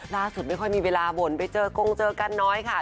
ไม่ค่อยมีเวลาบ่นไปเจอกงเจอกันน้อยค่ะ